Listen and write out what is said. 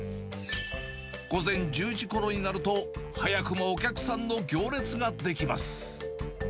午前１０時ごろになると、早くもお客さんの行列が出来ます。